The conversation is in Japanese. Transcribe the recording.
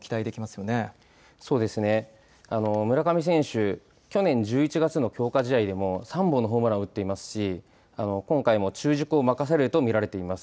村上選手、去年１１月の強化試合でも３本のホームランを打っていますし、今回も中軸を任されると見られています。